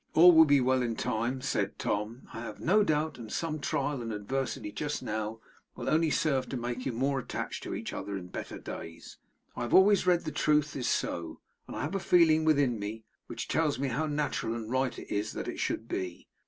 'All will be well in time,' said Tom, 'I have no doubt; and some trial and adversity just now will only serve to make you more attached to each other in better days. I have always read that the truth is so, and I have a feeling within me, which tells me how natural and right it is that it should be.